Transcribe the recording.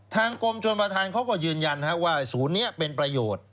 ทางกรมชนประธานเขาก็ยืนยันว่าศูนย์นี้เป็นประโยชน์